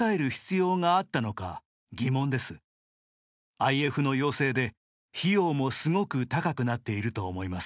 ＩＦの要請で費用もすごく高くなっていると思います。